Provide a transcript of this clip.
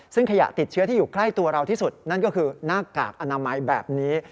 ซึ่งขยะติดเชื้อที่อยู่ใกล้ตัวเราที่สุดนั่นก็คือหน้ากากอนามัยแบบนี้